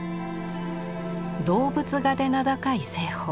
動物画で名高い栖鳳。